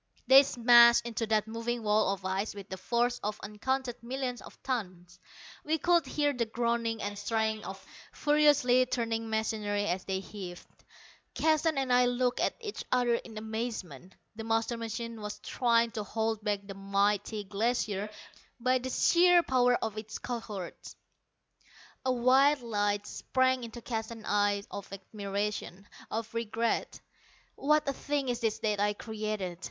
They smashed into that moving wall of ice with the force of uncounted millions of tons. We could hear the groaning and straining of furiously turning machinery as they heaved. Keston and I looked at each other in amazement. The master machine was trying to hold back the mighty Glacier by the sheer power of its cohorts! A wild light sprang into Keston's eye of admiration, of regret. "What a thing is this that I created!"